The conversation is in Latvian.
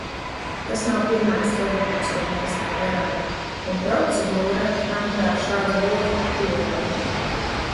Tas nav pirmais gadījums, kad mēs tā darām, un procedūra, manuprāt, šādu lietu pieļauj.